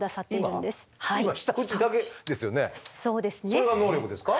それが能力ですか？